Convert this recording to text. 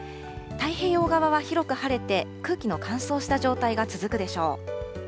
太平洋側は広く晴れて、空気の乾燥した状態が続くでしょう。